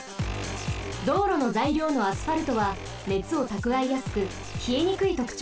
どうろのざいりょうのアスファルトはねつをたくわえやすくひえにくいとくちょうをもっています。